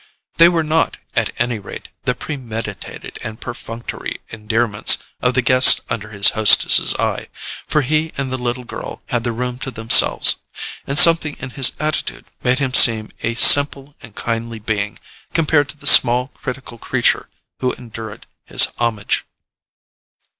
They were not, at any rate, the premeditated and perfunctory endearments of the guest under his hostess's eye, for he and the little girl had the room to themselves; and something in his attitude made him seem a simple and kindly being compared to the small critical creature who endured his homage.